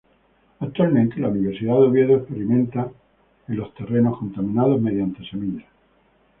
Actualmente la Universidad de Oviedo experimentan en los terrenos contaminados mediante semillas.